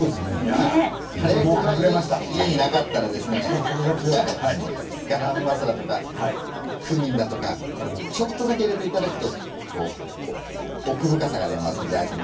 カレー粉が家になかったらですねガラムマサラとかクミンだとかちょっとだけ入れていただくと奥深さが出ますので、味に。